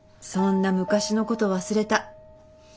そんな昔のこと忘れた。